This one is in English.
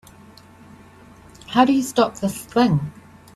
How do you stop this thing?